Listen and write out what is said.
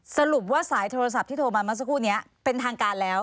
สรุปว่าสายโทรศัพท์ที่โทรมาเมื่อสักครู่นี้เป็นทางการแล้ว